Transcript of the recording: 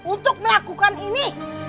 untuk melakukan ini